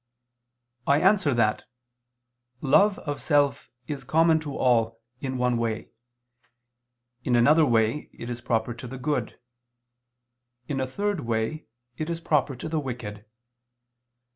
I answer that, Love of self is common to all, in one way; in another way it is proper to the good; in a third way, it is proper to the wicked.